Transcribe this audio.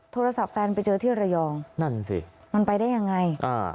โทรศัพท์แฟนไปเจอที่ระยองนั่นสิมันไปได้ยังไงอ่า